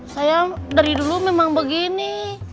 saya dari dulu memang begini